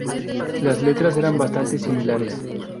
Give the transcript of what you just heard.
Las letras eran bastante similares.